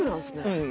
うん